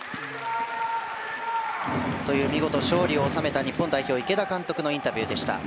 見事勝利を収めた日本代表、池田監督のインタビューでした。